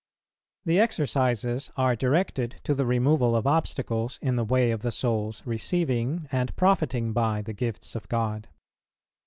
The Exercises are directed to the removal of obstacles in the way of the soul's receiving and profiting by the gifts of God.